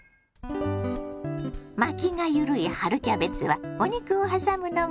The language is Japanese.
巻きが緩い春キャベツはお肉をはさむのも簡単。